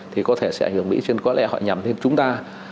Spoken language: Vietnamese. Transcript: thì có thể sẽ ảnh hưởng mỹ chứ có lẽ họ nhầm thêm chúng ta